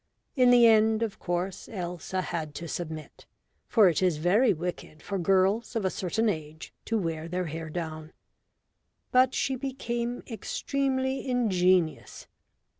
In the end, of course, Elsa had to submit, for it is very wicked for girls of a certain age to wear their hair down. But she became extremely ingenious.